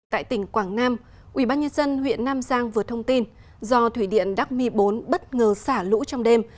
tại tỉnh quảng nam ubnd huyện nam giang vừa thông tin do thủy điện đắc mi bốn bất ngờ xả lũ trong đêm